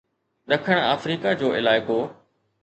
ڏکڻ آفريڪا جو علائقو